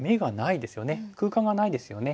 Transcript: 空間がないですよね。